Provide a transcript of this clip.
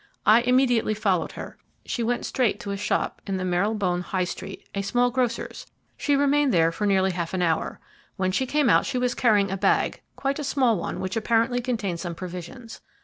I immediately followed her. She went straight to a shop in the Marylebone High Street a small grocer's. She remained there for nearly half an hour. When she came out she was carrying a bag, quite a small one, which apparently contained some provisions.